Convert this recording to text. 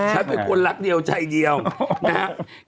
ฉันเป็นคนรักเดียวใจเดียวนะครับ